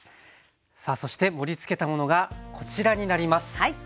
さあそして盛りつけたものがこちらになります。